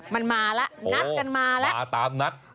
มันมาแล้วนัดกันมาแล้ว